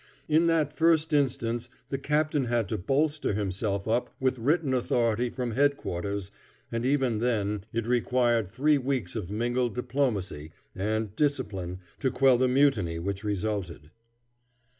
In that first instance the captain had to bolster himself up with written authority from head quarters, and even then it required three weeks of mingled diplomacy and discipline to quell the mutiny which resulted.